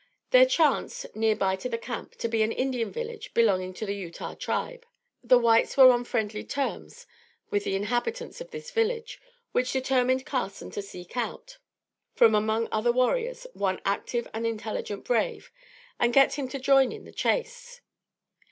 There chanced, near by to the camp, to be an Indian village belonging to the Utah Tribe. The whites were on friendly terms with the inhabitants of this village, which determined Carson to seek out, from among their warriors, one active and intelligent brave, and get him to join in the chase.